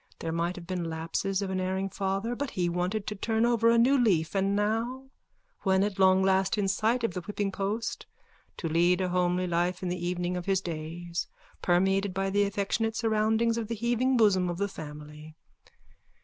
There might have been lapses of an erring father but he wanted to turn over a new leaf and now, when at long last in sight of the whipping post, to lead a homely life in the evening of his days, permeated by the affectionate surroundings of the heaving bosom of the family.